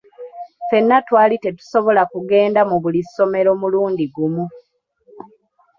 Ffenna twali tetusobola kugenda mu buli ssomero mulundi gumu.